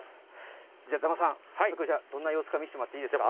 じゃあ、座間さん、早速どんな様子か見せてもらっていいですか？